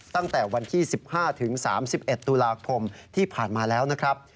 ตั้งแต่วันที่๑๕ถึง๓๑ตุลาคมที่ผ่านมาแล้วนะครับ